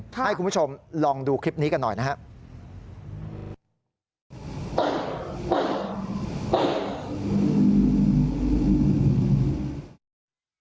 ให้คุณผู้ชมลองดูคลิปนี้กันหน่อยนะครับ